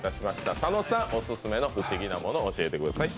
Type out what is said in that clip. オススメの不思議なものを教えてください。